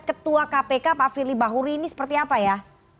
ketua kpk pak firly bahuri ini seperti apa ya